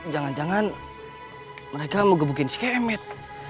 jangan jangan mereka mau gebukin si kemit